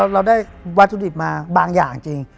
เราได้วัตถุดิบมาบางอย่างจริง